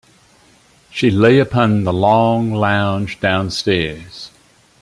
She lay upon the long lounge down-stairs.